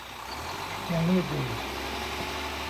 ยังมืดอยู่